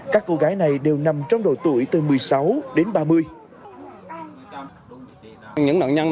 các cô gái này đều nằm trong độ tuổi từ một mươi sáu đến ba mươi